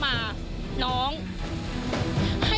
สวัสดีครับ